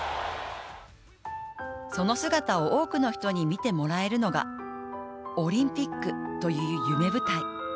その姿を多くの人に見てもらえるのがオリンピックという夢舞台